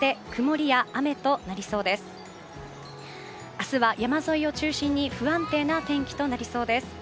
明日は山沿いを中心に不安定な天気となりそうです。